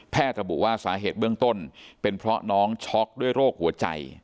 ระบุว่าสาเหตุเบื้องต้นเป็นเพราะน้องช็อกด้วยโรคหัวใจ